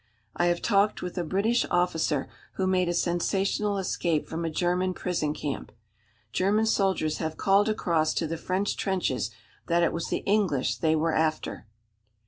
I have talked with a British officer who made a sensational escape from a German prison camp. German soldiers have called across to the French trenches that it was the English they were after.